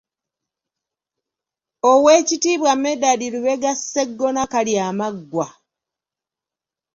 Owekitiibwa Medard Lubega Sseggona Kalyamaggwa.